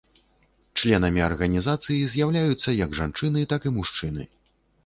Членамі арганізацыі з'яўляюцца як жанчыны, так і мужчыны.